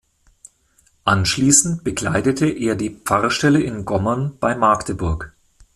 Anschließend bekleidete er die Pfarrstelle in Gommern bei Magdeburg.